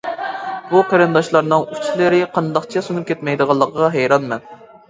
بۇ قېرىنداشلارنىڭ ئۇچلىرى قانداقچە سۇنۇپ كەتمەيدىغانلىقىغا ھەيرانمەن.